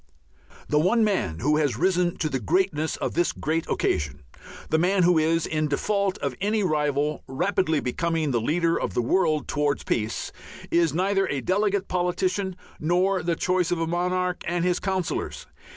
The one man who has risen to the greatness of this great occasion, the man who is, in default of any rival, rapidly becoming the leader of the world towards peace, is neither a delegate politician nor the choice of a monarch and his councillors.